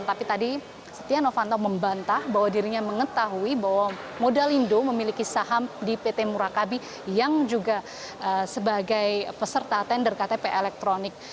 tapi tadi setia novanto membantah bahwa dirinya mengetahui bahwa modalindo memiliki saham di pt murakabi yang juga sebagai peserta tender ktp elektronik